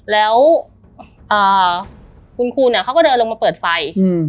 แล้วคุณครูเนี่ยเขาก็เดินลงมาเปิดไฟ